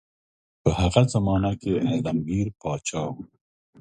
په هغه زمانه کې عالمګیر پاچا وو.